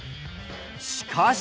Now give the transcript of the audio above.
しかし。